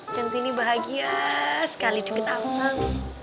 centini bahagia sekali diketahuan